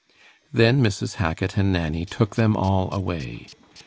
Then Mrs. Hackit and Nanny took them all away.